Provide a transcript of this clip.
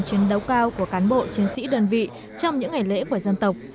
chiến đấu cao của cán bộ chiến sĩ đơn vị trong những ngày lễ của dân tộc